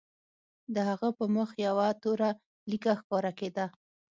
د هغه په مخ یوه توره لیکه ښکاره کېده